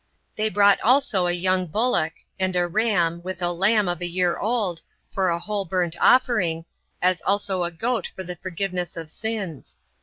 They brought also a young bullock, and a ram, with a lamb of a year old, for a whole burnt offering, as also a goat for the forgiveness of sins.